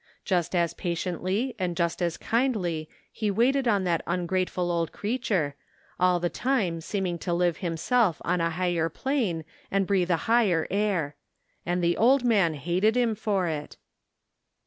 Just as patiently and just as kindly he waited on that ungrateful old creaiture, all the time seeming to 137 THE FINDING OP JASPER HOLT live himself on a higher plane and breathe a higher air; and the old man hated him for it.